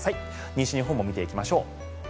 西日本も見ていきましょう。